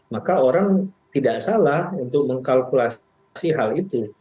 maka orang tidak salah untuk mengkalkulasi hal itu